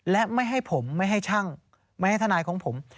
และไม่ให้ผมไม่ให้ช่างไม่ให้ทนายของผม